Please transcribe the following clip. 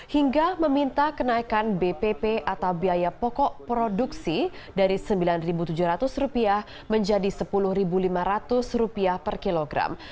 hingga meminta kenaikan bpp atau biaya pokok produksi dari rp sembilan tujuh ratus menjadi rp sepuluh lima ratus per kilogram